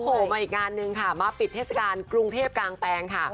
โอ้โหมาอีกงานนึงค่ะมาปิดเทศกาลกรุงเทพกลางแปลงค่ะ